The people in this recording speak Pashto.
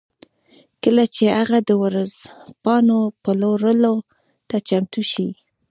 کله چې هغه د ورځپاڼو پلورلو ته چمتو شي